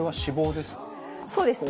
そうですね。